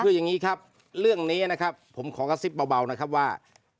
คืออย่างนี้ครับเรื่องนี้นะครับผมขอกระซิบเบานะครับว่า